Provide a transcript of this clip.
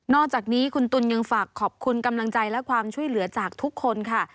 อกจากนี้คุณตุ๋นยังฝากขอบคุณกำลังใจและความช่วยเหลือจากทุกคนค่ะ